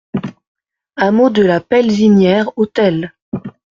Hameau de la Pelzinière au Theil